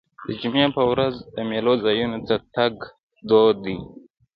د جمعې په ورځ د میلو ځایونو ته تګ دود دی.